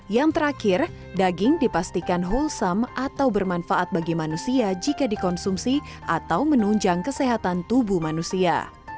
yang terakhir daging dipastikan wholesome atau bermanfaat bagi manusia jika dikonsumsi atau menunjang kesehatan tubuh manusia